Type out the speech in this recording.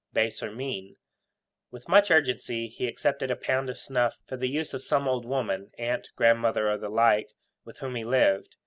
base or mean. With much urgency he accepted a pound of snuff for the use of some old woman aunt, grandmother, or the like with whom he lived.